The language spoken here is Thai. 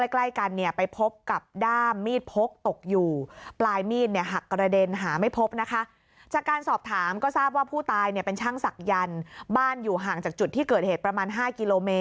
ใกล้กันเนี่ยไปพบกับด้ามมีดพก